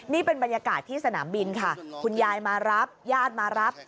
นี่เป็นบรรยากาศที่สนามบินค่ะคุณยายมารับญาติมารับ